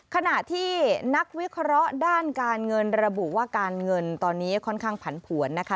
ขณะที่นักวิเคราะห์ด้านการเงินระบุว่าการเงินตอนนี้ค่อนข้างผันผวนนะคะ